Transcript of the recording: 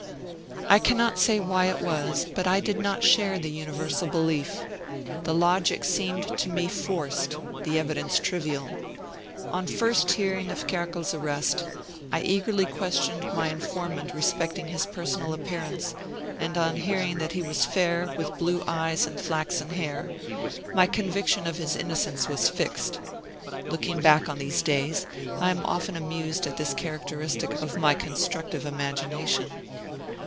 I cannot say why it was, but I did not share the universal belief. The logic seemed to me forced; the evidence trivial. On first hearing of Kerkel's arrest, I eagerly questioned my informant respecting his personal appearance; and on hearing that he was fair, with blue eyes and flaxen hair, my conviction of his innocence was fixed. Looking back on these days, I am often amused at this characteristic of my constructive imagination.